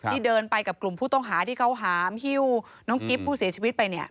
เดินไปกับกลุ่มผู้ต้องหาที่เขาหามหิ้วน้องกิ๊บผู้เสียชีวิตไปเนี่ย